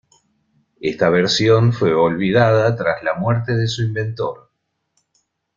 Esta versión fue olvidada tras la muerte de su inventor.